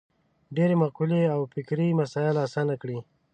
ډېرې مقولې او فکري مسایل اسانه کړي.